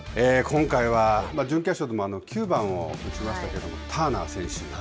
今回は準決勝でも９番を打ちましたけれども、ターナー選手。